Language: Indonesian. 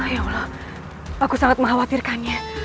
ya allah aku sangat mengkhawatirkannya